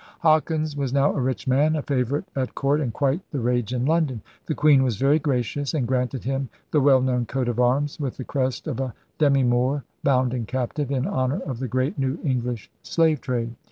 ' Hawkins was now a rich man, a favorite at court, and quite the rage in London. The Queen was very gracious and granted him the well known coat of arms with the crest of *a demi Moor, bound and captive' in honor of the great new English slave trade.